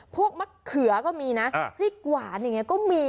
มะเขือก็มีนะพริกหวานอย่างนี้ก็มี